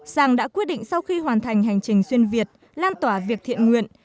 sang đã quyết định sau khi hoàn thành hành trình xuyên việt lan tỏa việc thiện nguyện